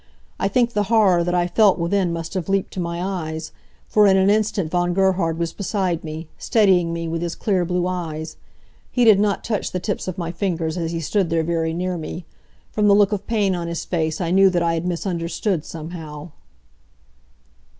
I think the horror that I felt within must have leaped to my eyes, for in an instant Von Gerhard was beside me, steadying me with his clear blue eyes. He did not touch the tips of my fingers as he stood there very near me. From the look of pain on his face I knew that I had misunderstood, somehow.